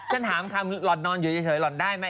ฉันถามคำหล่อนนอนอยู่เฉยหล่อนได้ไหม